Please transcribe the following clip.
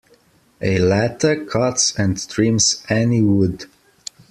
A lathe cuts and trims any wood.